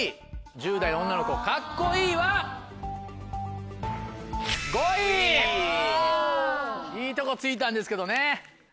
１０代女の子「かっこいい」は５位！いいとこ突いたんですけどね。